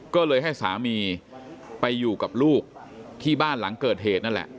ก็เลยให้สามีไปอยู่กับลูกที่บ้านหลังเกิดเหตุนั่นแหละ